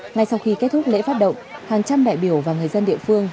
ngay sau khi kết thúc lễ phát động hàng trăm đại biểu và người dân địa phương